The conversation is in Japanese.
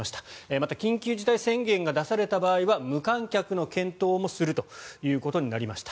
また、緊急事態宣言が出された場合は無観客の検討もすることになりました。